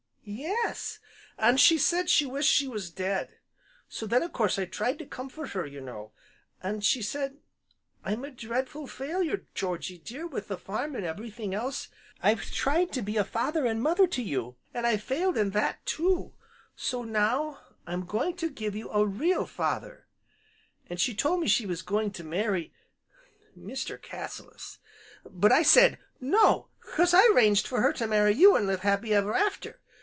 "Yes; an' she said she wished she was dead. So then, a course, I tried to comfort her, you know. An' she said 'I'm a dreadful failure, Georgy dear, with the farm, an' everything else. I've tried to be a father and mother to you, an' I've failed in that too, so now, I'm going to give you a real father,' an' she told me she was going to marry Mr. Cassilis. But I said 'No' 'cause I'd 'ranged for her to marry you an' live happy ever after.